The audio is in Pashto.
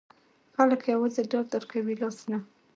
خلګ یوازې ډاډ درکوي، لاس نه.